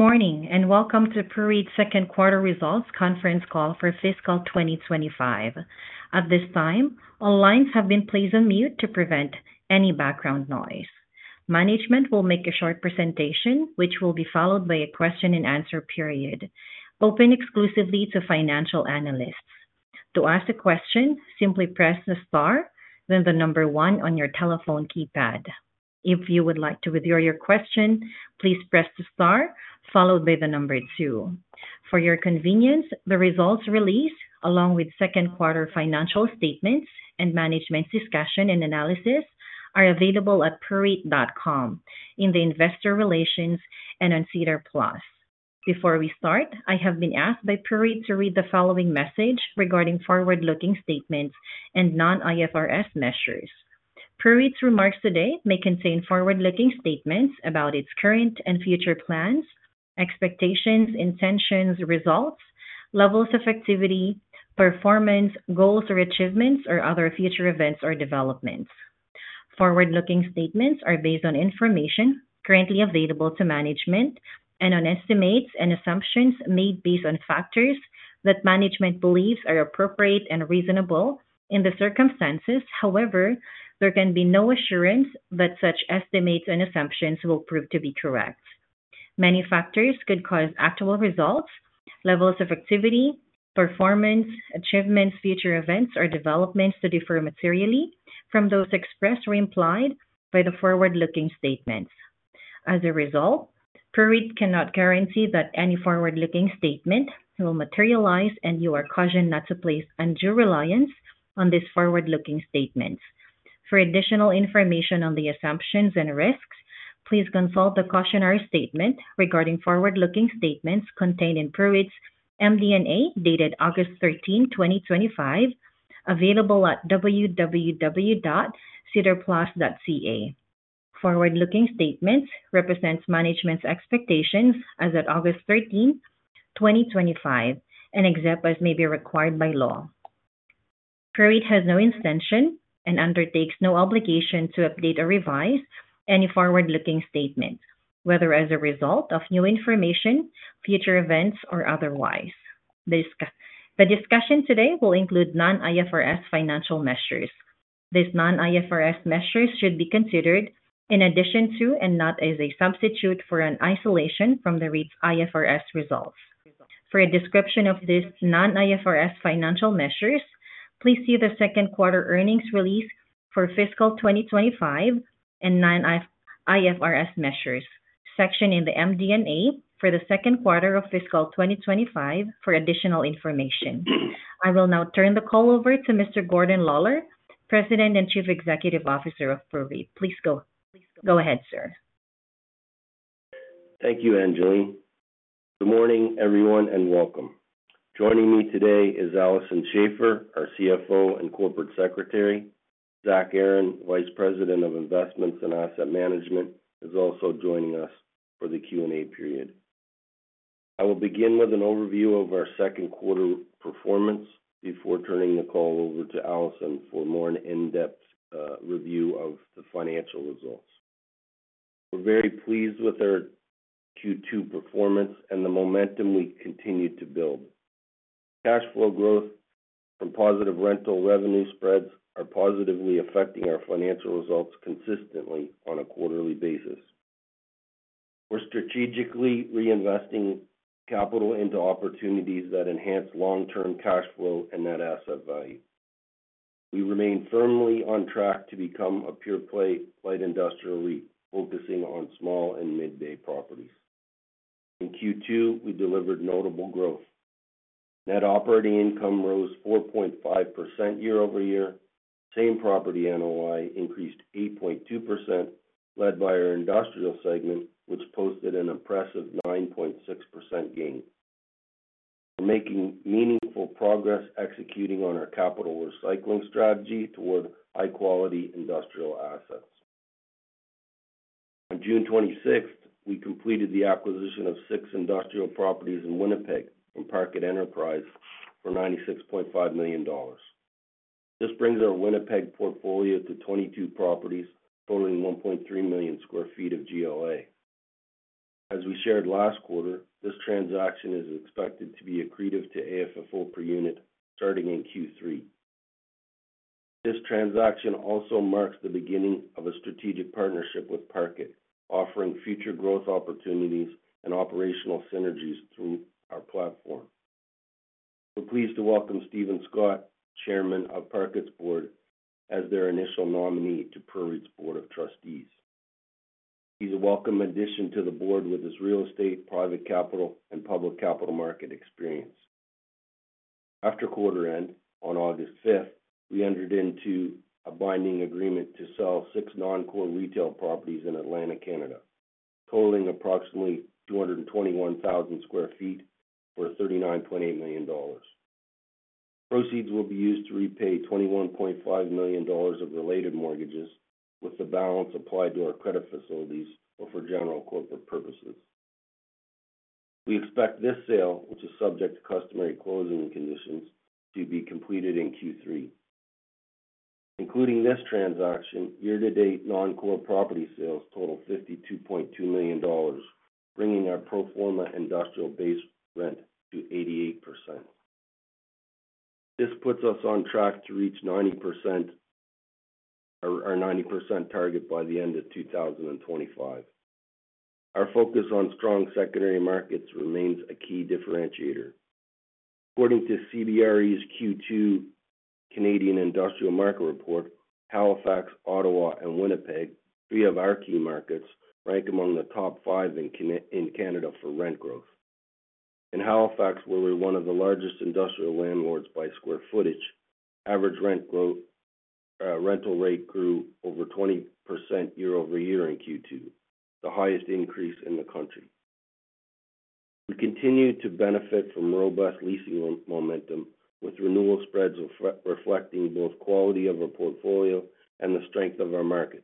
Morning and welcome to PRO Real Estate Investment Trust's (PROREIT) Second Quarter Results Conference Call for fiscal 2025. At this time, all lines have been placed on mute to prevent any background noise. Management will make a short presentation, which will be followed by a question and answer period, open exclusively to financial analysts. To ask a question, simply press the star, then the number one on your telephone keypad. If you would like to withdraw your question, please press the star, followed by the number two. For your convenience, the results release, along with second quarter financial statements and management's discussion and analysis, are available at PROREIT.com, in the Investor Relations and on Cedar Plus. Before we start, I have been asked by PROREIT to read the following message regarding forward-looking statements and non-IFRS measures. PROREIT's remarks today may contain forward-looking statements about its current and future plans, expectations, intentions, results, levels of activity, performance, goals or achievements, or other future events or developments. Forward-looking statements are based on information currently available to management and on estimates and assumptions made based on factors that management believes are appropriate and reasonable in the circumstances. However, there can be no assurance that such estimates and assumptions will prove to be correct. Many factors could cause actual results, levels of activity, performance, achievements, future events, or developments to differ materially from those expressed or implied by the forward-looking statements. As a result, PROREIT cannot guarantee that any forward-looking statement will materialize, and you are cautioned not to place undue reliance on these forward-looking statements. For additional information on the assumptions and risks, please consult the cautionary statement regarding forward-looking statements contained in PROREIT's MD&A dated August 13, 2025, available at www.cedarplus.ca. Forward-looking statements represent management's expectations as of August 13, 2025, and except as may be required by law, PROREIT has no intention and undertakes no obligation to update or revise any forward-looking statement, whether as a result of new information, future events, or otherwise. The discussion today will include non-IFRS financial measures. These non-IFRS measures should be considered in addition to and not as a substitute for and in isolation from the REIT's IFRS results. For a description of these non-IFRS financial measures, please see the second quarter earnings release for fiscal 2025 and non-IFRS measures section in the MD&A for the second quarter of fiscal 2025 for additional information. I will now turn the call over to Mr. Gordon Lawlor, President and Chief Executive Officer of PROREIT. Please go ahead, sir. Thank you, [Anjali]. Good morning, everyone, and welcome. Joining me today is Alison Schafer, our CFO and Corporate Secretary. Zach Aaron, Vice President of Investments and Asset Management, is also joining us for the Q&A period. I will begin with an overview of our second quarter performance before turning the call over to Alison for more in-depth review of the financial results. We're very pleased with our Q2 performance and the momentum we continue to build. Cash flow growth and positive rental revenue spreads are positively affecting our financial results consistently on a quarterly basis. We're strategically reinvesting capital into opportunities that enhance long-term cash flow and net asset value. We remain firmly on track to become a pure play light industrial focusing on small and mid-bay properties. In Q2, we delivered notable growth. Net operating income rose 4.5% year-over-year. Same property NOI increased 8.2% led by our industrial segment, which posted an impressive 9.6% gain. We're making meaningful progress executing on our capital recycling strategy toward high-quality industrial assets. On June 26, we completed the acquisition of six industrial properties in Winnipeg from Parkit Enterprise for 96.5 million dollars. This brings our Winnipeg portfolio to 22 properties, totaling 1.3 million sq ft of GLA. As we shared last quarter, this transaction is expected to be accretive to AFFO per unit starting in Q3. This transaction also marks the beginning of a strategic partnership with Parkit, offering future growth opportunities and operational synergies through our platform. We're pleased to welcome Steven Scott, Chairman of Parkit's Board, as their initial nominee to PROREIT's Board of Trustees. He's a welcome addition to the board with his real estate, private capital, and public capital market experience. After quarter end on August 5th, we entered into a binding agreement to sell six non-core retail properties in Atlantic Canada, totaling approximately 221,000 sq ft for 39.8 million dollars. Proceeds will be used to repay 21.5 million dollars of related mortgages with the balance applied to our credit facilities or for general corporate purposes. We expect this sale, which is subject to customary closing conditions, to be completed in Q3. Including this transaction, year-to-date non-core property sales total 52.2 million dollars, bringing our pro forma industrial base rent to 88%. This puts us on track to reach our 90% target by the end of 2025. Our focus on strong secondary markets remains a key differentiator. According to CBRE's Q2 Canadian Industrial Market Report, Halifax, Ottawa, and Winnipeg, three of our key markets, rank among the top five in Canada for rent growth. In Halifax, we're one of the largest industrial landlords by square footage. Average rent rental rate grew over 20% year-over-year in Q2, the highest increase in the country. We continue to benefit from robust leasing momentum with renewal spreads reflecting both quality of our portfolio and the strength of our markets.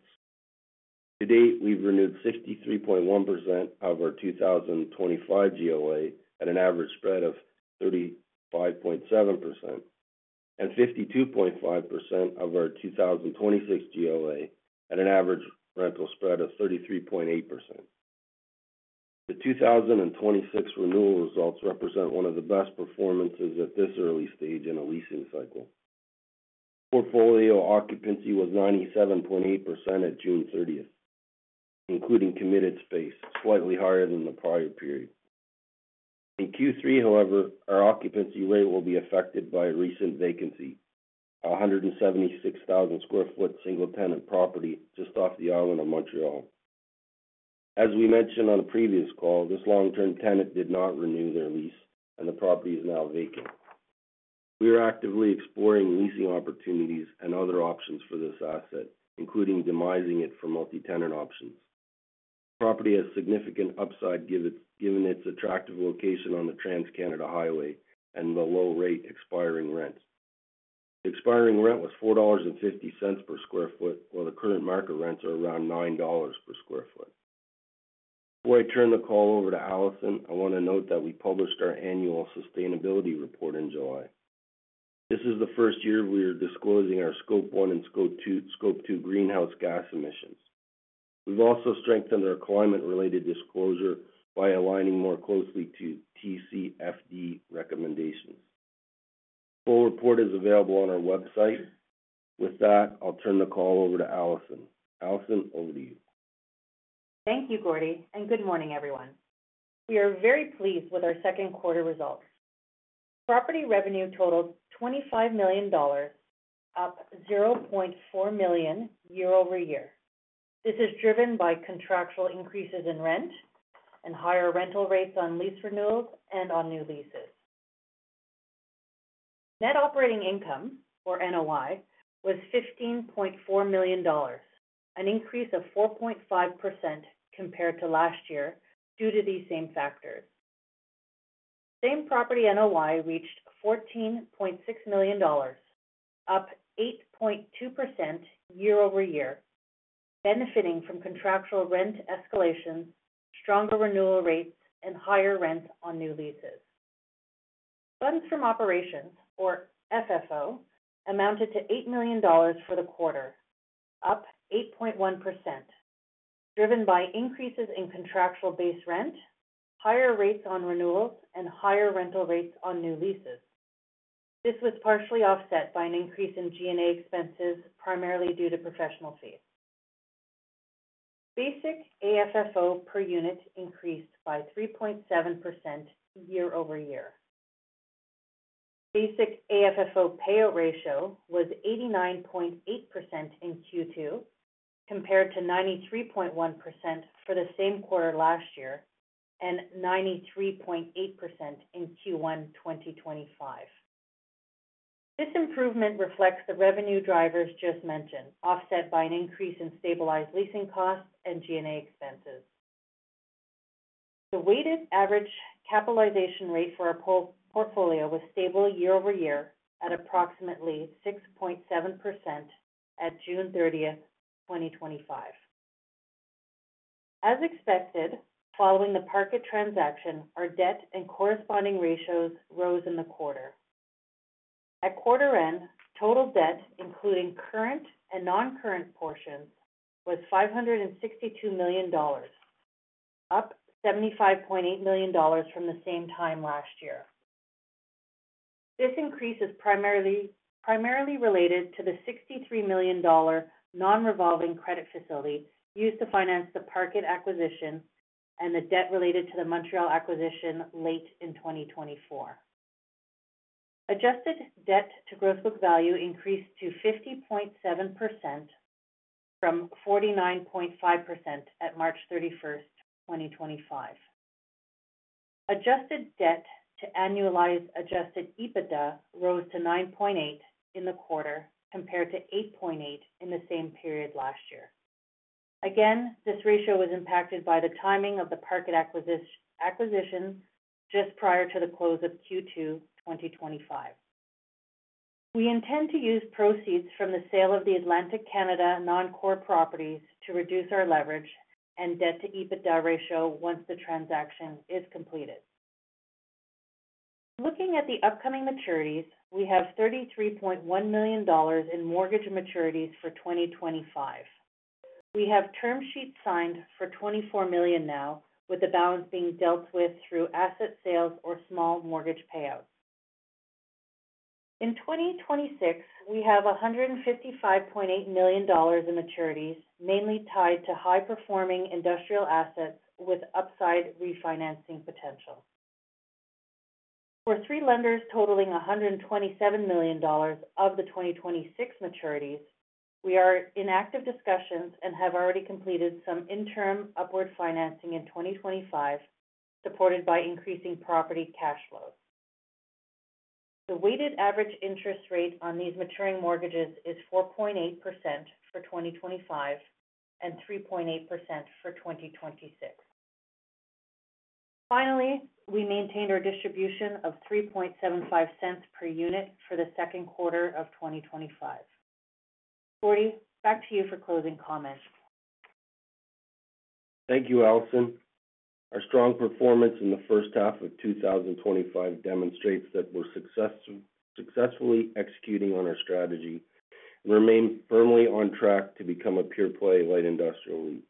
To date, we've renewed 63.1% of our 2025 GLA at an average spread of 35.7% and 52.5% of our 2026 GLA at an average rental spread of 33.8%. The 2026 renewal results represent one of the best performances at this early stage in a leasing cycle. Portfolio occupancy was 97.8% at June 30th, including committed space, slightly higher than the prior period. In Q3, however, our occupancy rate will be affected by a recent vacancy: a 176,000 sq ft single tenant property just off the island of Montreal. As we mentioned on a previous call, this long-term tenant did not renew their lease, and the property is now vacant. We are actively exploring leasing opportunities and other options for this asset, including demising it for multi-tenant options. The property has significant upside, given its attractive location on the Trans-Canada Highway and the low rate expiring rent. The expiring rent was 4.50 dollars per square foot, while the current market rents are around 9 dollars per square foot. Before I turn the call over to Alison, I want to note that we published our annual sustainability report in July. This is the first year we are disclosing our Scope 1 and Scope 2 greenhouse gas emissions. We've also strengthened our climate-related disclosure by aligning more closely to TCFD recommendations. The full report is available on our website. With that, I'll turn the call over to Alison. Alison, over to you. Thank you, Gordy, and good morning, everyone. We are very pleased with our second quarter result. Property revenue totaled 25 million dollars, up 0.4 million year-over-year. This is driven by contractual increases in rent and higher rental rates on lease renewals and on new leases. Net operating income, or NOI, was 15.4 million dollars, an increase of 4.5% compared to last year due to these same factors. Same property NOI reached 14.6 million dollars, up 8.2% year-over-year, benefiting from contractual rent escalation, stronger renewal rates, and higher rent on new leases. Funds from operations, or FFO, amounted to 8 million dollars for the quarter, up 8.1%, driven by increases in contractual base rent, higher rates on renewals, and higher rental rates on new leases. This was partially offset by an increase in G&A expenses, primarily due to professional fees. Basic AFFO per unit increased by 3.7% year-over-year. Basic AFFO payout ratio was 89.8% in Q2 compared to 93.1% for the same quarter last year and 93.8% in Q1 2025. This improvement reflects the revenue drivers just mentioned, offset by an increase in stabilized leasing costs and G&A expenses. The weighted average capitalization rate for our portfolio was stable year-over-year at approximately 6.7% at June 30th, 2025. As expected, following the Parkit transaction, our debt and corresponding ratios rose in the quarter. At quarter end, total debt, including current and non-current portions, was 562 million dollars, up 75.8 million dollars from the same time last year. This increase is primarily related to the 63 million dollar non-revolving credit facility used to finance the Parkit acquisition and the debt related to the Montreal acquisition late in 2024. Adjusted debt to gross book value increased to 50.7% from 49.5% at March 31st, 2025. Adjusted debt to annualized adjusted EBITDA rose to 9.8 in the quarter compared to 8.8 in the same period last year. Again, this ratio was impacted by the timing of the Parkit acquisition just prior to the close of Q2 2025. We intend to use proceeds from the sale of the Atlantic Canada non-core properties to reduce our leverage and debt to EBITDA ratio once the transaction is completed. Looking at the upcoming maturities, we have 33.1 million dollars in mortgage maturities for 2025. We have term sheets signed for 24 million now, with the balance being dealt with through asset sales or small mortgage payouts. In 2026, we have 155.8 million dollars in maturities, mainly tied to high-performing industrial assets with upside refinancing potential. For three lenders totaling 127 million dollars of the 2026 maturities, we are in active discussions and have already completed some interim upward financing in 2025, supported by increasing property cash flows. The weighted average interest rate on these maturing mortgages is 4.8% for 2025 and 3.8% for 2026. Finally, we maintained our distribution of 0.0375 per unit for the second quarter of 2025. Gordy, back to you for closing comments. Thank you, Alison. Our strong performance in the first half of 2025 demonstrates that we're successfully executing on our strategy and remain firmly on track to become a pure play light industrial lead.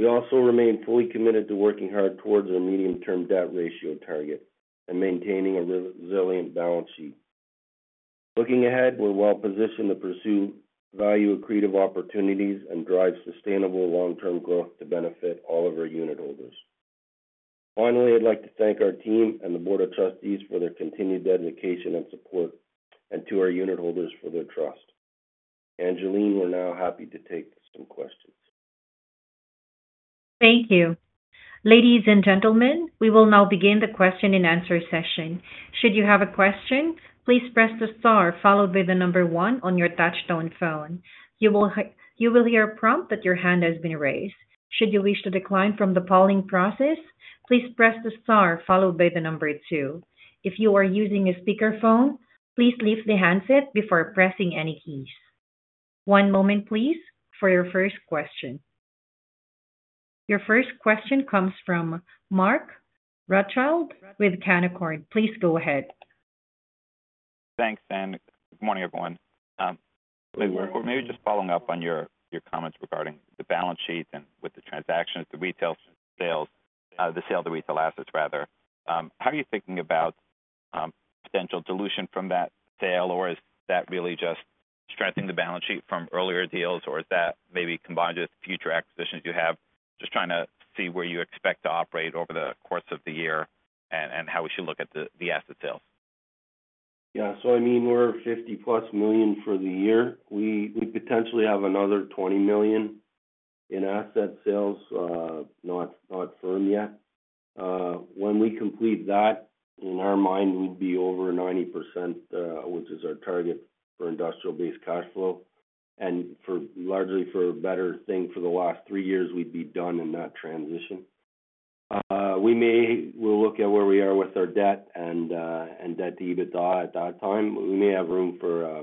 We also remain fully committed to working hard towards our medium-term debt ratio target and maintaining a resilient balance sheet. Looking ahead, we're well positioned to pursue value accretive opportunities and drive sustainable long-term growth to benefit all of our unit holders. Finally, I'd like to thank our team and the Board of Trustees for their continued dedication and support, and to our unit holders for their trust. Anjali, we're now happy to take some questions. Thank you. Ladies and gentlemen, we will now begin the question and answer session. Should you have a question, please press the star followed by the number one on your touch-tone phone. You will hear a prompt that your hand has been raised. Should you wish to decline from the polling process, please press the star followed by the number two. If you are using a speakerphone, please leave the handset before pressing any keys. One moment, please, for your first question. Your first question comes from Mark Rothschild with Canaccord. Please go ahead. Thanks, Ma'am. Good morning, everyone. Maybe just following up on your comments regarding the balance sheet and with the transactions, the retail sales, the sale of the retail assets, rather. How are you thinking about potential dilution from that sale? Is that really just stretching the balance sheet from earlier deals? Is that maybe combined with future acquisitions you have? Just trying to see where you expect to operate over the course of the year and how we should look at the asset sales. Yeah, so I mean, we're 50+ million for the year. We potentially have another 20 million in asset sales, not firm yet. When we complete that, in our mind, we'd be over 90%, which is our target for industrial-based cash flow. For largely a better thing for the last three years, we'd be done in that transition. We may look at where we are with our debt and debt to EBITDA at that time. We may have room for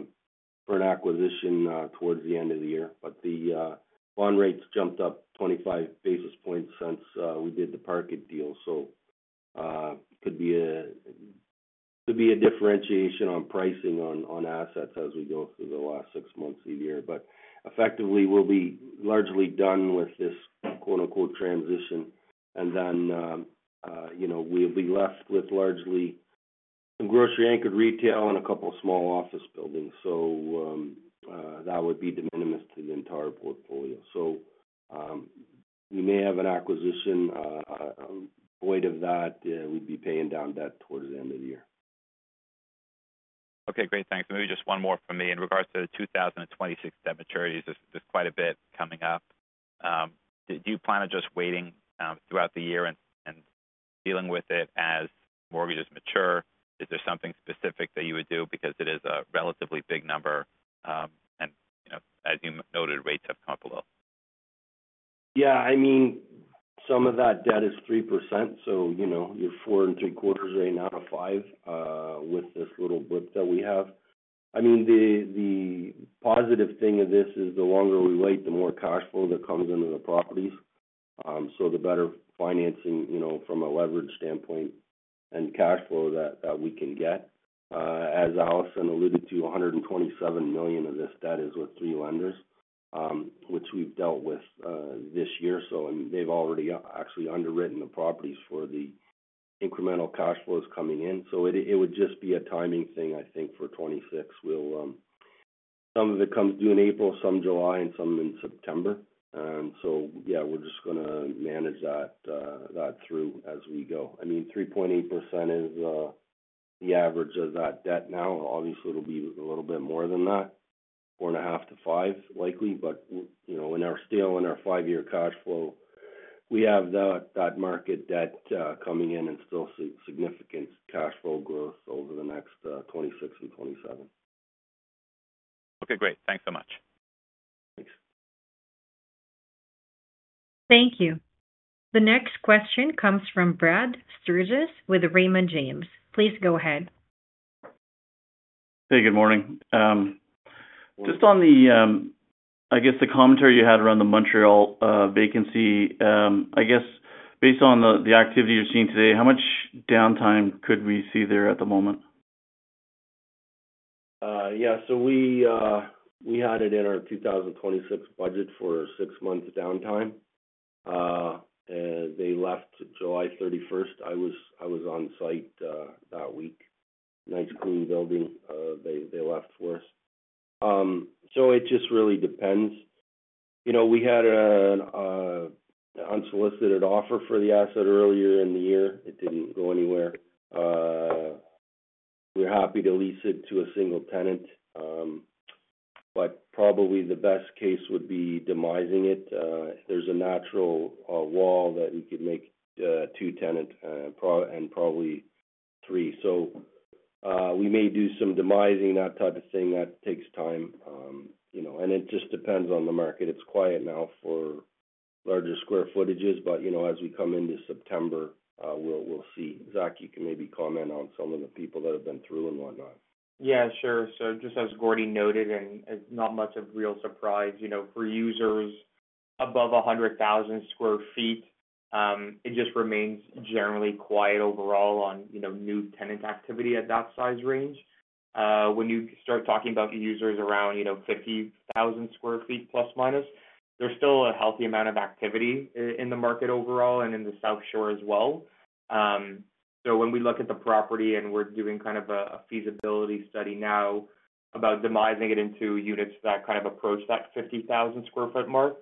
an acquisition towards the end of the year. The bond rates jumped up 25 basis points since we did the Parkit deal. There could be a differentiation on pricing on assets as we go through the last six months of the year. Effectively, we'll be largely done with this quote-unquote transition. We'll be left with largely some grocery-anchored retail and a couple of small office buildings. That would be de minimis to the entire portfolio. We may have an acquisition, a weight of that. We'd be paying down debt towards the end of the year. Okay, great, thanks. Maybe just one more for me. In regards to the 2026 debt maturities, there's quite a bit coming up. Do you plan on just waiting throughout the year and dealing with it as mortgages mature? Is there something specific that you would do because it is a relatively big number? You know, as you noted, rates have come up a little. Yeah, I mean, some of that debt is 3%. You're four and three quarters in out of five, with this little blip that we have. The positive thing of this is the longer we wait, the more cash flow that comes into the properties, so the better financing, you know, from a leverage standpoint and cash flow that we can get. As Alison alluded to, 127 million of this debt is with three lenders, which we've dealt with this year. They've already actually underwritten the properties for the incremental cash flows coming in. It would just be a timing thing, I think, for 2026. Some of it comes due in April, some July, and some in September. We're just going to manage that through as we go. 3.8% is the average of that debt now. Obviously, it'll be a little bit more than that, 4.5%-5% likely. In our five-year cash flow, we have that market debt coming in and still see significant cash flow growth over 2026 and 2027. Okay, great. Thanks so much. Thank you. The next question comes from Brad Sturges with Raymond James. Please go ahead. Hey, good morning. Just on the, I guess the commentary you had around the Montreal vacancy, I guess based on the activity you're seeing today, how much downtime could we see there at the moment? Yeah, we added in our 2026 budget for six months of downtime. They left July 31st. I was on site that week. Nice clean building they left for us. It just really depends. We had an unsolicited offer for the asset earlier in the year. It didn't go anywhere. We're happy to lease it to a single tenant, but probably the best case would be demising it. There's a natural law that you could make two tenants and probably three. We may do some demising, that type of thing. That takes time, and it just depends on the market. It's quiet now for larger square footages. As we come into September, we'll see. Zach, you can maybe comment on some of the people that have been through and whatnot. Yeah, sure. Just as Gordy noted, and not much of a real surprise, for users above 100,000 sq ft, it just remains generally quiet overall on new tenant activity at that size range. When you start talking about users around 50,000± sq ft, there's still a healthy amount of activity in the market overall and in the South Shore as well. When we look at the property and we're doing kind of a feasibility study now about demising it into units that kind of approach that 50,000 sq ft mark,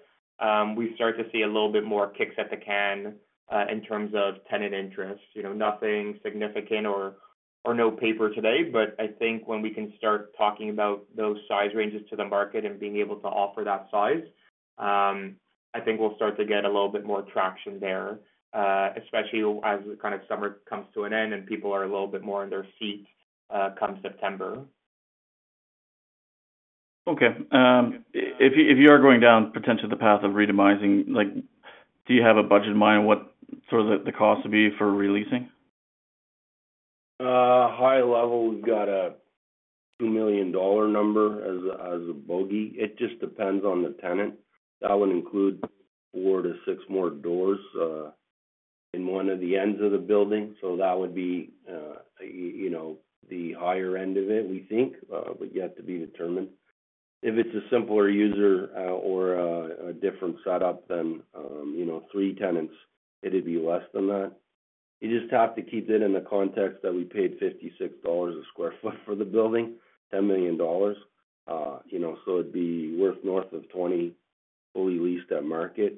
we start to see a little bit more kicks at the can in terms of tenant interest. Nothing significant or no paper today, but I think when we can start talking about those size ranges to the market and being able to offer that size, I think we'll start to get a little bit more traction there, especially as the summer comes to an end and people are a little bit more in their seat, come September. Okay. If you are going down potentially the path of re-demising, do you have a budget in mind on what sort of the cost would be for releasing? High level, we've got a 2 million dollar number as a bogey. It just depends on the tenant. That would include four to six more doors in one of the ends of the building. That would be the higher end of it, we think, but yet to be determined. If it's a simpler user or a different setup than three tenants, it'd be less than that. You just have to keep it in the context that we paid 56 dollars a square foot for the building, 10 million dollars. It'd be worth north of 20 million fully leased at market.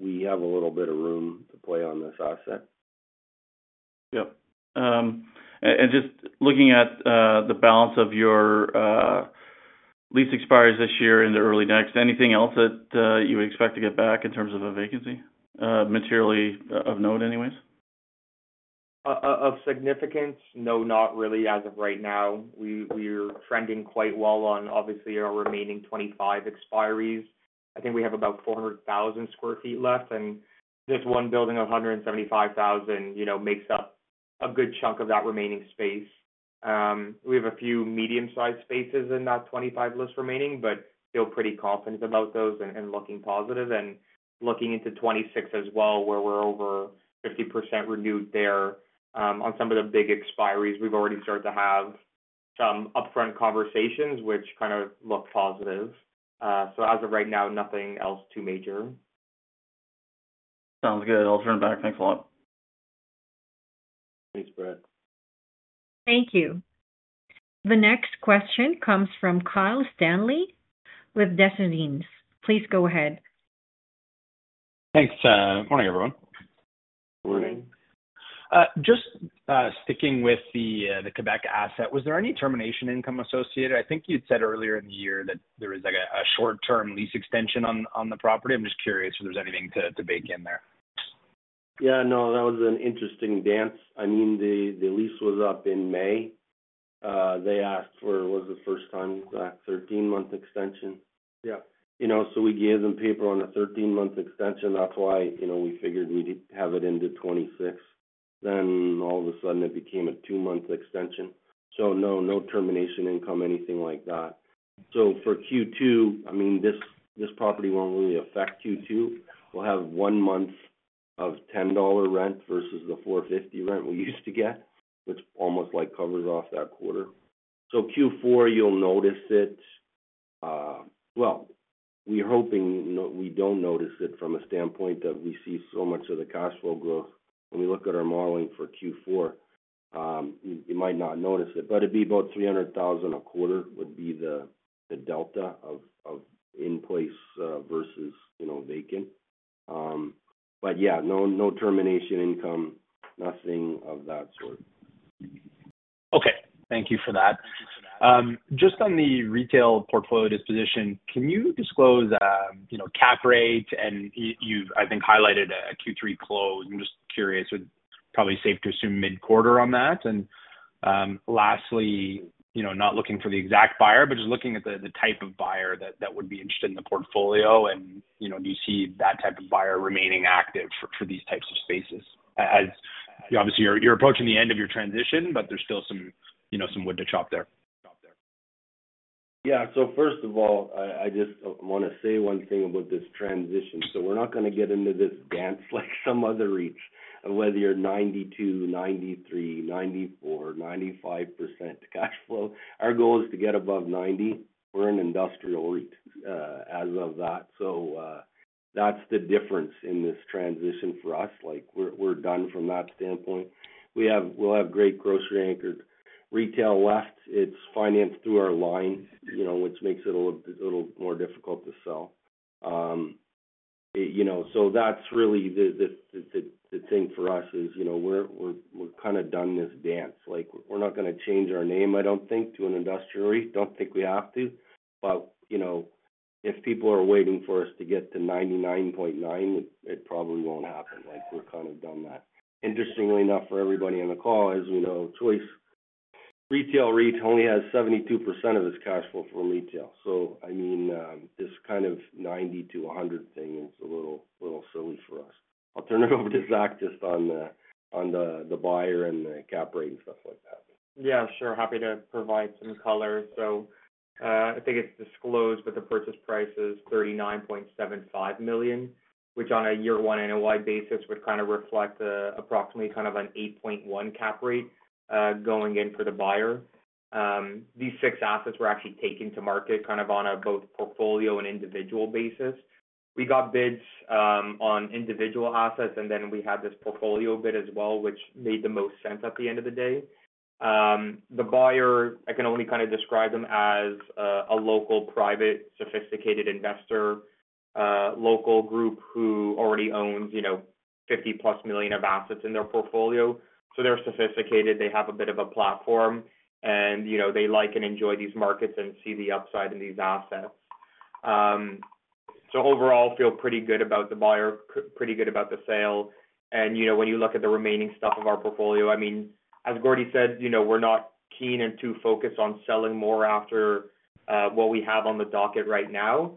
We have a little bit of room to play on this asset. Yep. Just looking at the balance of your lease expires this year and early next, anything else that you would expect to get back in terms of a vacancy, materially of note anyways? Of significance? No, not really as of right now. We're trending quite well on, obviously, our remaining 25 expires. I think we have about 400,000 sq ft left, and this one building of 175,000 sq ft makes up a good chunk of that remaining space. We have a few medium-sized spaces in that 25 list remaining, but feel pretty confident about those and looking positive and looking into 2026 as well, where we're over 50% renewed there. On some of the big expires, we've already started to have some upfront conversations, which kind of look positive. As of right now, nothing else too major. Sounds good. I'll turn it back. Thanks a lot. Thanks, Brad. Thank you. The next question comes from Kyle Stanley with Desjardins. Please go ahead. Thanks. Good morning, everyone. Morning. Just sticking with the Québec asset, was there any termination income associated? I think you'd said earlier in the year that there was like a short-term lease extension on the property. I'm just curious if there's anything to bake in there. Yeah, no, that was an interesting dance. I mean, the lease was up in May. They asked for, was it the first time you got a 13-month extension? Yep. You know, we gave them paper on the 13-month extension. That's why we figured we'd have it into 2026. All of a sudden, it became a two-month extension. No termination income, anything like that. For Q2, this property won't really affect Q2. We'll have one month of 10 dollar rent versus the 450 rent we used to get, which almost covers off that quarter. Q4, you'll notice it. We're hoping we don't notice it from a standpoint that we see so much of the cash flow growth. When we look at our modeling for Q4, you might not notice it, but it'd be about 300,000 a quarter would be the delta of in place versus vacant. No termination income, nothing of that sort. Okay. Thank you for that. Just on the retail portfolio disposition, can you disclose, you know, cap rate? You've, I think, highlighted a Q3 close. I'm just curious. It's probably safe to assume mid-quarter on that. Lastly, you know, not looking for the exact buyer, but just looking at the type of buyer that would be interested in the portfolio. Do you see that type of buyer remaining active for these types of spaces? As you obviously, you're approaching the end of your transition, but there's still some, you know, some wood to chop there. Yeah. First of all, I just want to say one thing about this transition. We're not going to get into this dance like some other REITs, whether you're 92%, 93%, 94%, 95% cash flow. Our GLAl is to get above 90%. We're an industrial REIT as of that. That's the difference in this transition for us. We're done from that standpoint. We will have great grocery-anchored retail left. It's financed through our line, which makes it a little more difficult to sell. That's really the thing for us. We're kind of done this dance. We're not going to change our name, I don't think, to an industrial REIT. Don't think we have to. If people are waiting for us to get to 99.9%, it probably won't happen. We're kind of done that. Interestingly enough, for everybody on the call, as we know, Choice Retail REIT only has 72% of its cash flow from retail. This kind of 90%-100% thing, it's a little silly for us. I'll turn it over to Zach just on the buyer and the capitalization rate and stuff like that. Yeah, sure. Happy to provide some color. I think it's disclosed, but the purchase price is 39.75 million, which on a year-one NOI basis would kind of reflect approximately an 8.1% cap rate, going in for the buyer. These six assets were actually taken to market on both a portfolio and individual basis. We got bids on individual assets, and then we had this portfolio bid as well, which made the most sense at the end of the day. The buyer, I can only describe them as a local private sophisticated investor, a local group who already owns 50+ million of assets in their portfolio. They're sophisticated. They have a bit of a platform, and they like and enjoy these markets and see the upside in these assets. Overall, I feel pretty good about the buyer, pretty good about the sale. When you look at the remaining stuff of our portfolio, as Gordy said, we're not keen and too focused on selling more after what we have on the docket right now.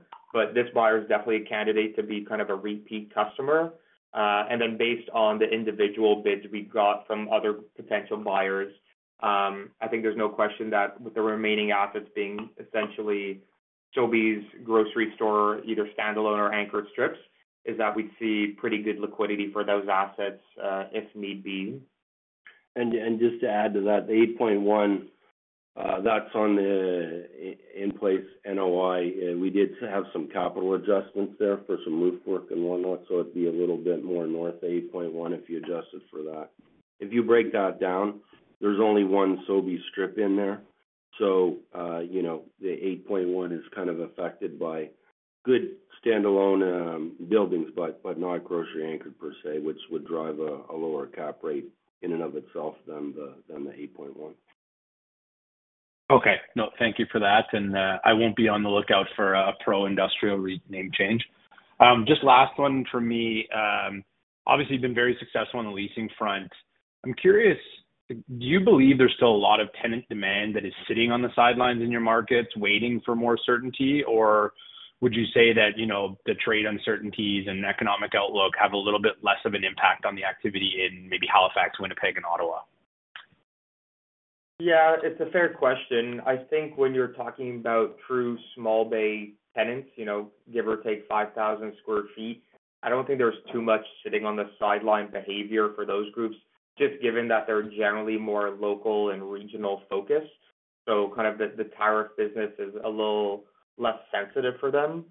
This buyer is definitely a candidate to be a repeat customer. Based on the individual bids we've got from other potential buyers, I think there's no question that with the remaining assets being essentially [Chobee's] grocery store, either standalone or anchored strips, we'd see pretty good liquidity for those assets, if need be. Just to add to that, the 8.1%, that's on the in-place NOI. We did have some capital adjustments there for some roof work and whatnot, so it'd be a little bit more north of 8.1% if you adjusted for that. If you break that down, there's only one Sobey strip in there. The 8.1% is kind of affected by good standalone buildings, but not grocery anchored per se, which would drive a lower cap rate in and of itself than the 8.1%. Okay. No, thank you for that. I won't be on the lookout for a PRO Industrial REIT name change. Just last one for me. Obviously, you've been very successful on the leasing front. I'm curious, do you believe there's still a lot of tenant demand that is sitting on the sidelines in your markets waiting for more certainty? Or would you say that, you know, the trade uncertainties and economic outlook have a little bit less of an impact on the activity in maybe Halifax, Winnipeg, and Ottawa? Yeah, it's a fair question. I think when you're talking about true small bay tenants, you know, give or take 5,000 sq ft, I don't think there's too much sitting on the sideline behavior for those groups, just given that they're generally more local and regional focused. The tariff business is a little less sensitive for them.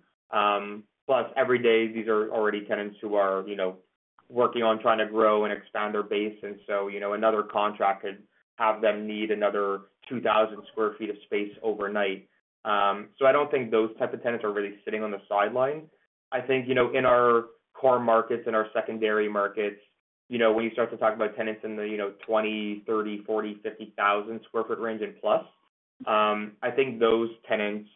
Plus, every day these are already tenants who are, you know, working on trying to grow and expand their base. Another contract could have them need another 2,000 sq ft of space overnight. I don't think those types of tenants are really sitting on the sideline. I think, you know, in our core markets and our secondary markets, when you start to talk about tenants in the 20, 30, 40, 50,000 sq ft range and plus, I think those tenants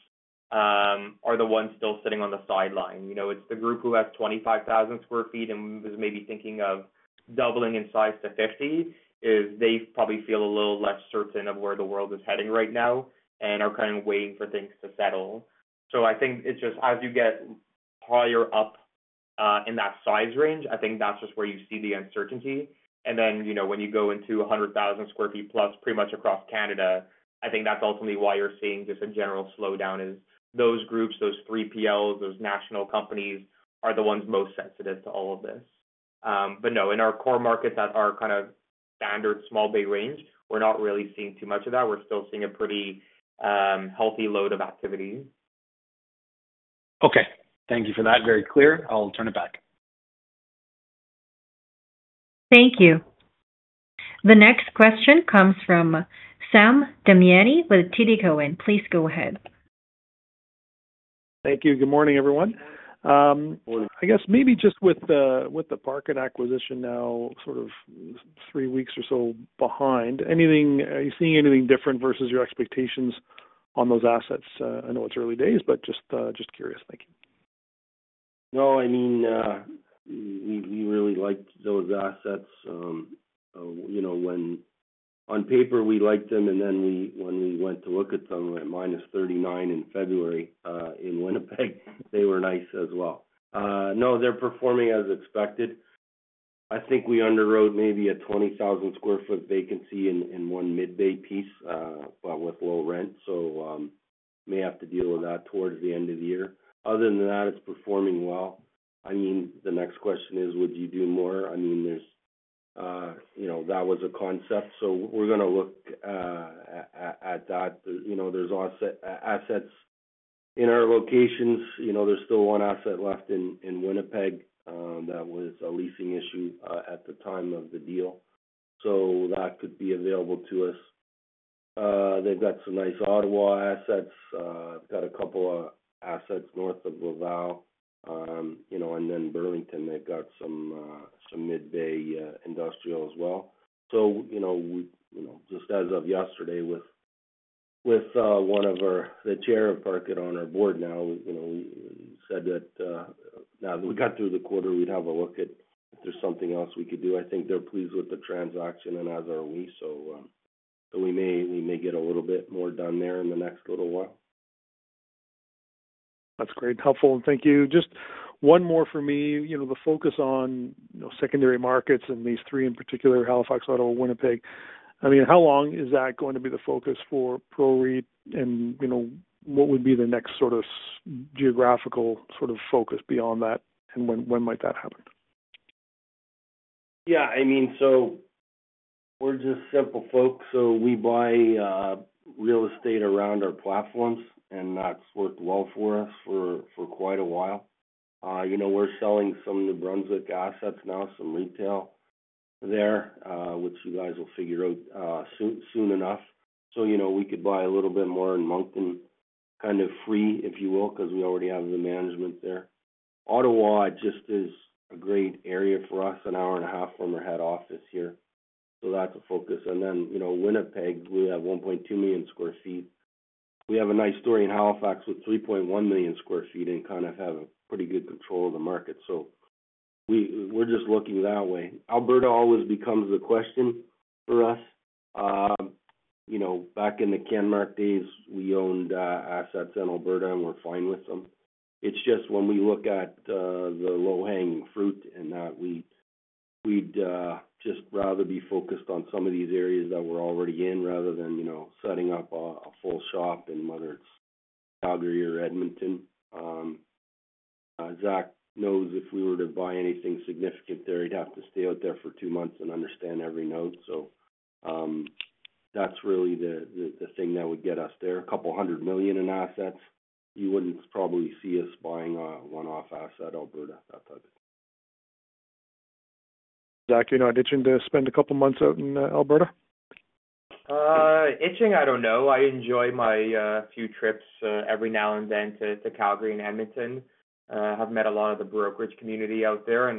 are the ones still sitting on the sideline. It's the group who has 25,000 sq ft and is maybe thinking of doubling in size to 50,000, they probably feel a little less certain of where the world is heading right now and are kind of waiting for things to settle. I think it's just as you get higher up in that size range, that's just where you see the uncertainty. When you go into 100,000+ sq ft pretty much across Canada, I think that's ultimately why you're seeing just a general slowdown is those groups, those 3PLs, those national companies are the ones most sensitive to all of this. In our core markets that are kind of standard small bay range, we're not really seeing too much of that. We're still seeing a pretty healthy load of activities. Okay. Thank you for that. Very clear. I'll turn it back. Thank you. The next question comes from Sam Damiani with TD Cowen. Please go ahead. Thank you. Good morning, everyone. I guess maybe just with the Parkit acquisition now, sort of three weeks or so behind, are you seeing anything different versus your expectations on those assets? I know it's early days, but just curious. Thank you. No, I mean, we really liked those assets. You know, on paper we liked them, and then when we went to look at them at -39 in February in Winnipeg, they were nice as well. No, they're performing as expected. I think we underwrote maybe a 20,000 sq ft vacancy in one mid-bay piece, but with low rent. So, may have to deal with that towards the end of the year. Other than that, it's performing well. The next question is, would you do more? I mean, that was a concept. We're going to look at that. You know, there are assets in our locations. There's still one asset left in Winnipeg that was a leasing issue at the time of the deal. That could be available to us. They've got some nice Ottawa assets. They've got a couple of assets north of Laval. You know, and then Burlington, they've got some mid-bay industrial as well. Just as of yesterday, with one of our, the Chair of Parkit on our board now, said that now that we got through the quarter, we'd have a look at if there's something else we could do. I think they're pleased with the transaction and as are we. We may get a little bit more done there in the next little while. That's great. Helpful. Thank you. Just one more for me, the focus on secondary markets and these three in particular, Halifax, Ottawa, Winnipeg. How long is that going to be the focus for PROREIT and what would be the next sort of geographical focus beyond that and when might that happen? Yeah, I mean, we're just simple folks. We buy real estate around our platforms and that's worked well for us for quite a while. We're selling some New Brunswick assets now, some retail there, which you guys will figure out soon enough. We could buy a little bit more in Moncton kind of free, if you will, because we already have the management there. Ottawa is a great area for us, an hour and a half from our head office here. That's a focus. Winnipeg, we have 1.2 million sq ft. We have a nice story in Halifax with 3.1 million sq ft and kind of have pretty good control of the market. We're just looking that way. Alberta always becomes the question for us. Back in the Kenmark days, we owned assets in Alberta and we're fine with them. It's just when we look at the low-hanging fruit, we'd just rather be focused on some of these areas that we're already in rather than setting up a full shop in whether it's Calgary or Edmonton. Zach knows if we were to buy anything significant there, he'd have to stay out there for two months and understand every note. That's really the thing that would get us there. A couple hundred million in assets, you wouldn't probably see us buying a one-off asset, Alberta, that type of thing. Zach, you're not itching to spend a couple months out in Alberta? I don't know. I enjoy my few trips every now and then to Calgary and Edmonton. I have met a lot of the brokerage community out there.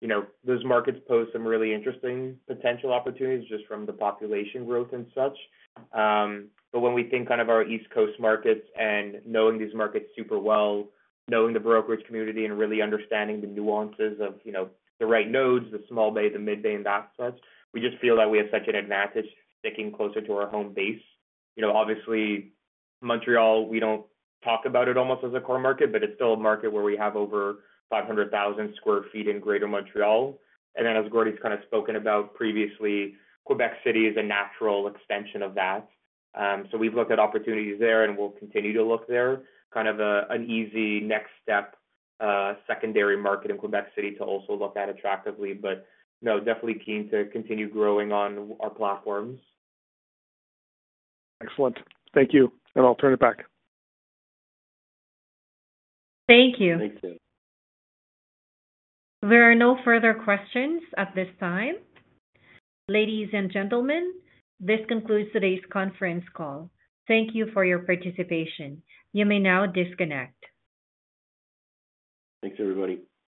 You know, those markets pose some really interesting potential opportunities just from the population growth and such. When we think of our East Coast markets and knowing these markets super well, knowing the brokerage community and really understanding the nuances of the right nodes, the small bay, the mid-bay, and that such, we just feel that we have such an advantage sticking closer to our home base. Obviously, Montreal, we don't talk about it almost as a core market, but it's still a market where we have over 500,000 sq ft in Greater Montreal. As Gordon has spoken about previously, Quebec City is a natural extension of that. We've looked at opportunities there and we'll continue to look there. An easy next step is the secondary market in Quebec to also look at attractively. No, definitely keen to continue growing on our platforms. Excellent. Thank you. I'll turn it back. Thank you. Thank you. There are no further questions at this time. Ladies and gentlemen, this concludes today's conference call. Thank you for your participation. You may now disconnect. Thanks, everybody.